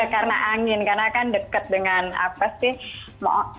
karena angin karena kan dekat dengan apa sih